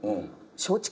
松竹。